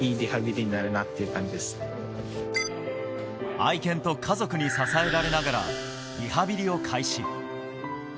愛犬と家族に支えられながら、リハビリを開始。